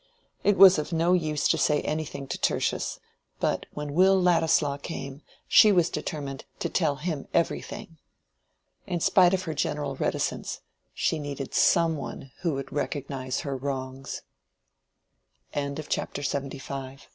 It was of no use to say anything to Tertius; but when Will Ladislaw came, she was determined to tell him everything. In spite of her general reticence, she needed some one who would recognize her wrongs. CHAPTER LXXVI. To mercy